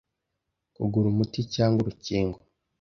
kugura umuti cyangwa urukingo